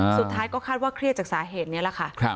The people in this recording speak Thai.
สุดท้ายก็คาดว่าเครียดจากสาเหตุนี้แหละค่ะ